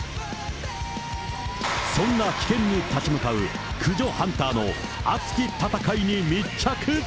そんな危険に立ち向かう駆除ハンターの熱き戦いに密着。